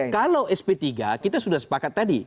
kalau sp tiga kita sudah sepakat tadi